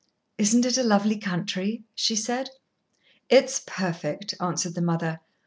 "Isn't it a lovely country?" she said. "It's perfect," answered the mother.